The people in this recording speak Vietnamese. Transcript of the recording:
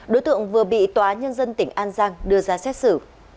đối tượng vừa bị tòa nhân dân tỉnh an giang đưa ra xét xử